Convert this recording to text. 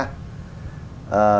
thứ hai là